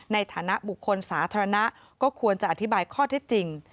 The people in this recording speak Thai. ในฐานะบุคคลสาธารณะก็ควรจะอธิบายข้อเท็จจริง